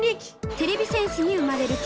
てれび戦士に生まれるき